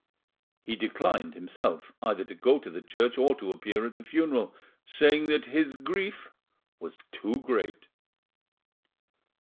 He declined himself either to go to the church or to appear at the funeral, saying that his grief was too great.